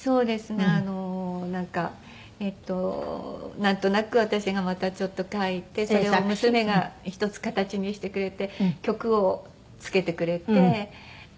なんとなく私がまたちょっと書いてそれを娘が一つ形にしてくれて曲を付けてくれて。